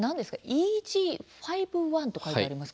ＥＧ．５．１と書いてあります。